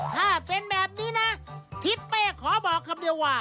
ถ้าเป็นแบบนี้นะทิศเป้ขอบอกคำเดียวว่า